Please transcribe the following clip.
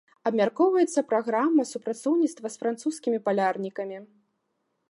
Абмяркоўваецца праграма супрацоўніцтва з французскімі палярнікамі.